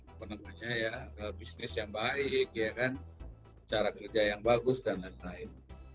apa namanya ya bisnis yang baik cara kerja yang bagus dan lain lain